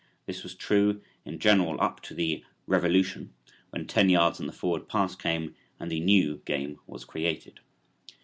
This was true in general up to the "revolution" when ten yards and the forward pass came and the "new" game was created.